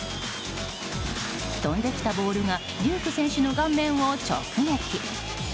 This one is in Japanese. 飛んできたボールがデューク選手の顔面を直撃。